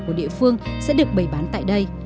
của địa phương sẽ được bày bán tại đây